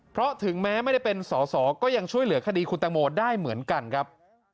เพราะถึงแม้ไม่ได้เป็นสอสอก็ยังช่วยเหลือคดีคุณตังโมได้เหมือนกันครับ